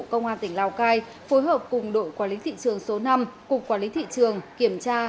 công an tỉnh lào cai phối hợp cùng đội quản lý thị trường số năm cục quản lý thị trường kiểm tra